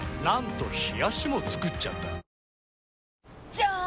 じゃーん！